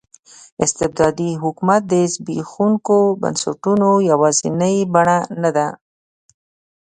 استبدادي حکومت د زبېښونکو بنسټونو یوازینۍ بڼه نه ده.